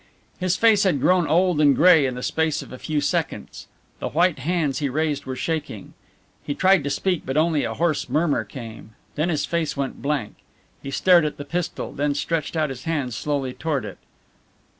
His face had grown old and grey in the space of a few seconds. The white hands he raised were shaking. He tried to speak but only a hoarse murmur came. Then his face went blank. He stared at the pistol, then stretched out his hands slowly toward it.